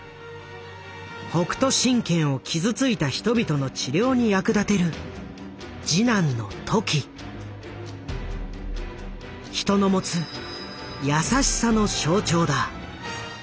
北斗神拳を傷ついた人々の治療に役立てる人の持つ「優しさ」の象徴だ。